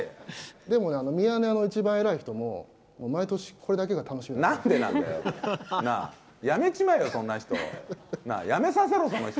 でもね、ミヤネ屋の一番偉い人も、毎年これだけが楽しみだっなんでなんだよ。なあ、辞めちまえよ、そんな人。なぁ、辞めさせろよ、その人。